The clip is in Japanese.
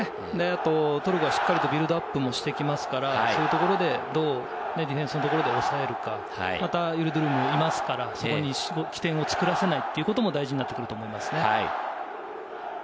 トルコはしっかりとビルドアップをしてきますから、そういうところで、どうディフェンスを抑えるか、またユルドゥルムもいますから、そこに起点を作らせないことも大事になってくると思います。